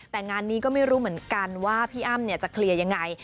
แต่งานนี้ก็ไม่รู้เหมือนกันว่าพี่อ้ำจะเคลียร์ยังไง